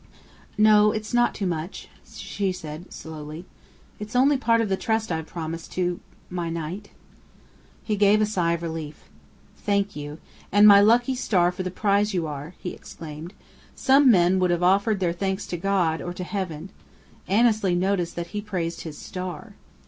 "No, it's not too much," she said, slowly. "It's only part of the trust I've promised to my knight." He gave a sigh of relief. "Thank you and my lucky star for the prize you are!" he exclaimed. Some men would have offered their thanks to God, or to "Heaven." Annesley noticed that he praised his "star."